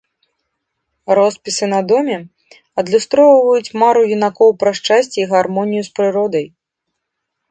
Роспісы на доме адлюстроўваюць мару юнакоў пра шчасце і гармонію з прыродай.